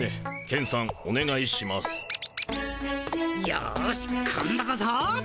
よし今度こそ！